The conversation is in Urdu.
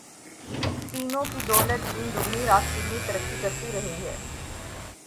تینوں کی دولت دن دگنی رات چوگنی ترقی کرتی رہی ہے۔